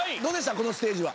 このステージは。